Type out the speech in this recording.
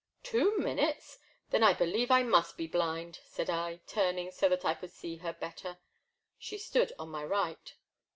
*' Two minutes? then I believe that I must be blind," said I, turning so that I could see her better. She stood on my right.